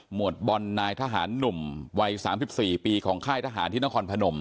หมวดบอลนายทหารหนุ่มวัยสามพิบสี่ปีของค่ายทหารที่นครพนม